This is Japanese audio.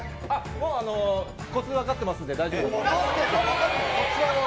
もう、こつ分かってますんで、大丈夫です。